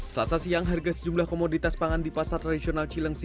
selasa siang harga sejumlah komoditas pangan di pasar tradisional cilengsi